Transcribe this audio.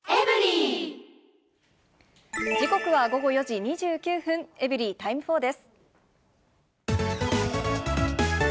時刻は午後４時２９分、エブリィタイム４です。